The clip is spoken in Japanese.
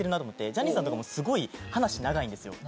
ジャニーさんとかもすごい話長いんですよ。